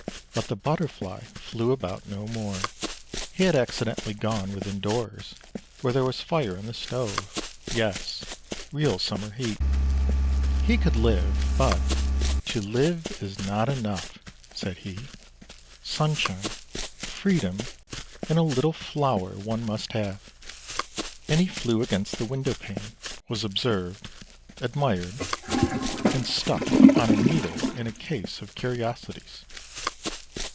But the Butterfly flew about no more. He had accidentally gone within doors, where there was fire in the stove — yes, real summer heat. He could live, but " to live is not enough," said he; " sunshine, freedom, and a little flower, one must have." And he flew against the window pane, was observed, admired, and stuck upon a needle in a case of curiosities.